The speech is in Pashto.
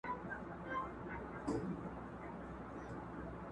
چي ګیدړان راځي د شنه زمري د کور تر کلي!.